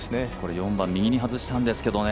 ４番、右に外したんですけどね。